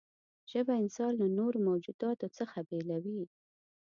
ژبه انسان له نورو موجوداتو څخه بېلوي.